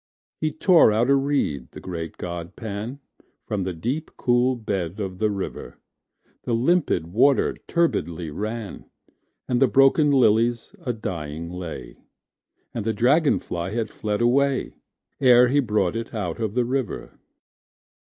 He tore out a reed, the great god Pan, From the deep cool bed of the river:The limpid water turbidly ran, And the broken lilies a dying lay, And the dragon fly had fled away, Ere he brought it out of the river.